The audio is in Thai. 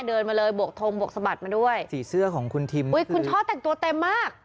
เดินมาเลยบวกทงบวกสะบัดมาด้วยสีเสื้อของคุณทิมอุ้ยคุณช่อแต่งตัวเต็มมาก